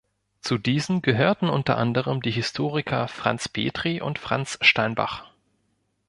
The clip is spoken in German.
Zu diesen gehörten unter anderem die Historiker Franz Petri und Franz Steinbach.